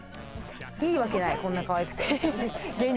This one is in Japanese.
いいわけない、こんなかわいくて。